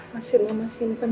masih tidak bisa menjaga saya